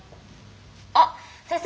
あっ先生